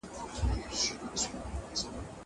زه به سبا کښېناستل کوم.